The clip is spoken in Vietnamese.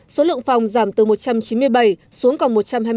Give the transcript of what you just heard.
số lượng phòng giảm từ một trăm chín mươi bảy xuống còn một trăm hai mươi tám